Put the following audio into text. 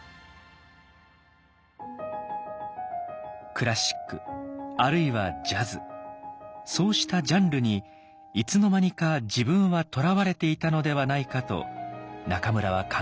クラシックあるいはジャズそうしたジャンルにいつの間にか自分はとらわれていたのではないかと中村は考えました。